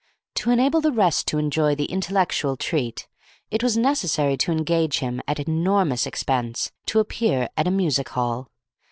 To enable the rest to enjoy the intellectual treat, it was necessary to engage him, at enormous expense, to appear at a music hall.